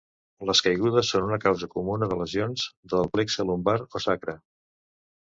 Les caigudes són una causa comuna de lesions del plexe lumbar o sacre.